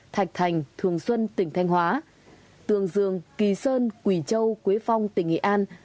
thạch thành thường xuân tỉnh thanh hóa tường dường kỳ sơn quỷ châu quế phong tỉnh nghệ an